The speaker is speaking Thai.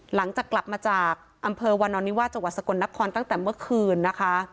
หลังจากกลับมาจากอำเภอวานอนิวาสจังหวัดสกลนครตั้งแต่เมื่อคืนนะคะ